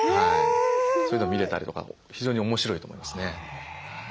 そういうのを見れたりとかも非常に面白いと思いますね。